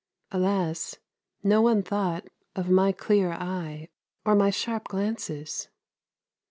Alas! no one thought of my clear eye or my sharp glances.